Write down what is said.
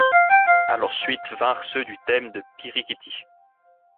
À leur suite vinrent ceux du thème de Pirikiti.